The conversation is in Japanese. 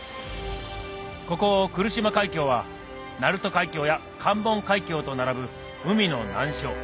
ここ来島海峡は鳴門海峡や関門海峡と並ぶ海の難所